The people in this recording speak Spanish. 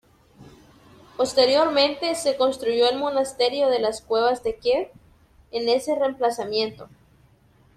Posteriormente se construyó el Monasterio de las Cuevas de Kiev en ese emplazamiento.